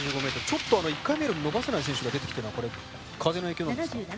ちょっと１回目より伸ばせない選手が出てきてるのは風の影響なんですか？